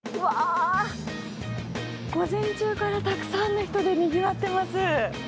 午前中からたくさんの人でにぎわっています。